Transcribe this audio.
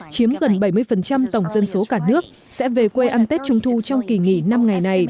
chiếm gần bảy mươi tổng dân số cả nước sẽ về quê ăn tết trung thu trong kỳ nghỉ năm ngày này